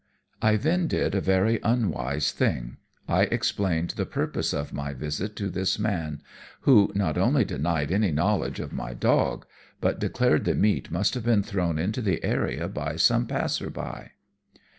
I then did a very unwise thing I explained the purpose of my visit to this man, who not only denied any knowledge of my dog, but declared the meat must have been thrown into the area by some passer by.